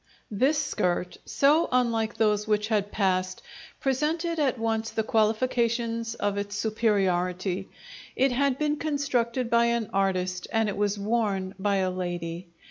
This skirt, so unlike those which had passed, presented at once the qualifications of its superiority. It had been constructed by an artist, and it was worn by a lady.